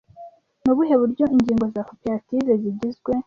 Ni ubuhe buryo ingingo za Koperative zigizwe